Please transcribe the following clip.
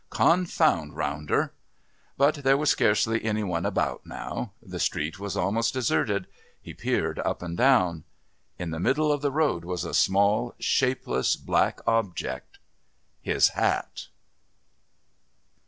Confound Ronder! But there was scarcely any one about now. The street was almost deserted. He peered up and down. In the middle of the road was a small, shapeless, black object. ...His hat!